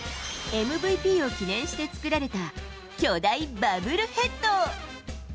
ＭＶＰを記念して作られた、巨大バブルヘッド。